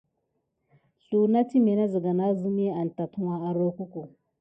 Sluwa na timé siga nada an totiwiéké tät kudukune.